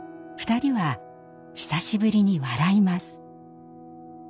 ２人は久しぶりに笑います。